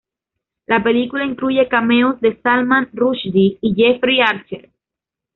La película incluye cameos de Salman Rushdie y Jeffrey Archer.